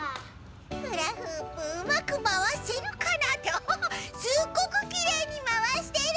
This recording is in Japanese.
フラフープうまくまわせるかな？っておすっごくきれいにまわしてる！